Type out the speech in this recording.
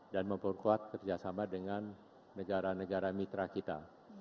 dan memperkuat kerjasama dengan negara negara mitra kita